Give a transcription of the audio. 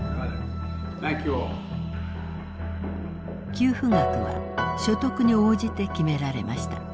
給付額は所得に応じて決められました。